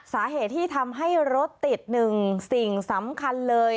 สาเหตุที่ทำให้รถติดหนึ่งสิ่งสำคัญเลย